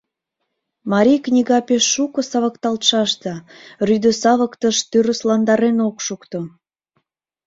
Марий книга пеш шуко савыкталтшаш да, Рӱдӧ савыктыш тӱрысландарен ок шукто.